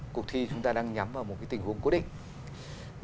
cuộc thi chúng ta đang nhắm vào một tình huống cố định